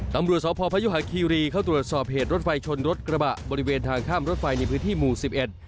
ตำรวจสพพยุหาคีรีเข้าตรวจสอบเหตุรถไฟชนรถกระบะบริเวณทางข้ามรถไฟในพื้นที่หมู่สิบเอ็ด